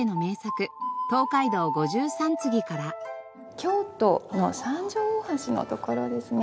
京都の三条大橋の所ですね。